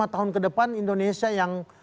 tahun kedepan indonesia yang